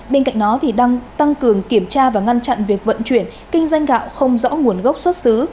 bên cạnh đó đang tăng cường kiểm tra và ngăn chặn việc vận chuyển kinh doanh gạo không rõ nguồn gốc xuất xứ